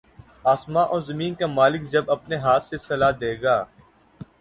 آسمان و زمین کا مالک جب اپنے ہاتھ سے صلہ دے گا